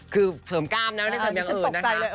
คือเสริมกล้ามนะไม่ได้ทำอย่างอื่นนะคะ